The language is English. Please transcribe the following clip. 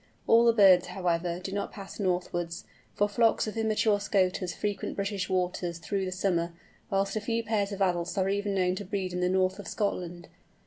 All the birds, however, do not pass northwards, for flocks of immature Scoters frequent British waters through the summer, whilst a few pairs of adults are even known to breed in the north of Scotland.